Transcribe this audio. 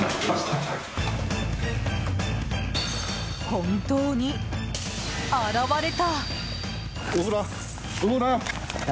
本当に、現れた！